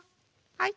はい。